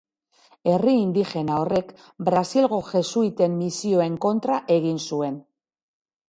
Herri indigena horrek Brasilgo Jesuiten misioen kontra egin zuen.